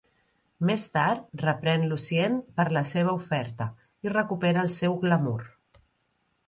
Més tard, reprèn Lucien per la seva oferta i recupera el seu Glamour.